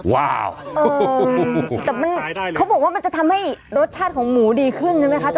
ว้าวแต่มันเขาบอกว่ามันจะทำให้รสชาติของหมูดีขึ้นใช่ไหมคะ